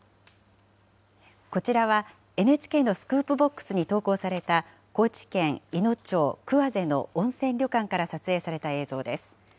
こちらはＮＨＫのスクープボックスに投稿された、高知県いの町桑瀬の温泉旅館から撮影された映像です。